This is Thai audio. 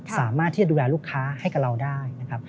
สามารถที่จะดูแลลูกค้าให้กับเราได้นะครับ